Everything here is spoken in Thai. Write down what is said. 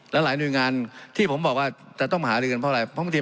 หลายหน่วยงานที่ผมบอกว่าจะต้องหารือกันเพราะอะไร